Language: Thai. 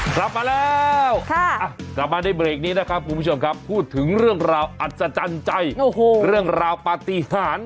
กลับมาแล้วกลับมาในเบรกนี้นะครับคุณผู้ชมครับพูดถึงเรื่องราวอัศจรรย์ใจเรื่องราวปฏิหาร